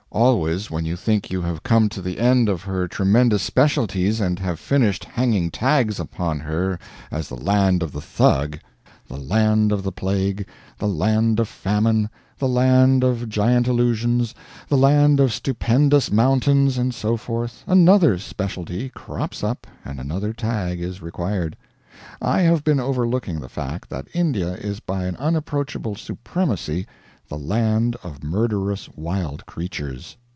Always, when you think you have come to the end of her tremendous specialties and have finished hanging tags upon her as the Land of the Thug, the Land of the Plague, the Land of Famine, the Land of Giant Illusions, the Land of Stupendous Mountains, and so forth, another specialty crops up and another tag is required. I have been overlooking the fact that India is by an unapproachable supremacy the Land of Murderous Wild Creatures.